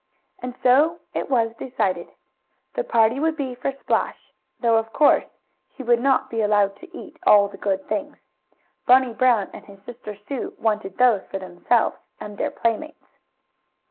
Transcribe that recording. And so it was decided. The party would be for Splash, though of course he would not be allowed to eat all the good things. Bunny Brown and his sister Sue wanted those for themselves and their playmates.